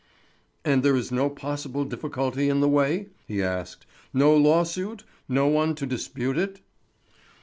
"And there is no possible difficulty in the way?" he asked. "No lawsuit—no one to dispute it?"